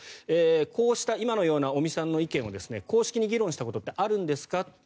こうした今のような尾身さんの意見を公式に議論したことってあるんですか？